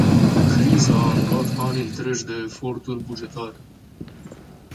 Criza a anulat ani întregi de eforturi bugetare.